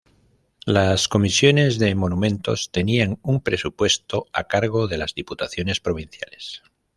Las Comisiones de Monumentos tenían un presupuesto a cargo de las Diputaciones Provinciales.